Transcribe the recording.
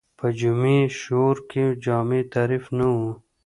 په جمعي شعور کې جامع تعریف نه و